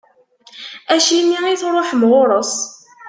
Acimi i truḥem ɣur-s.